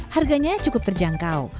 harganya cukup terjangkau